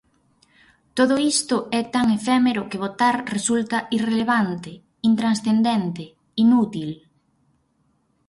Todo isto é tan efémero que votar resulta irrelevante, intranscendente, inútil...